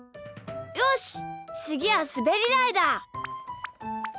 よしつぎはすべりだいだ！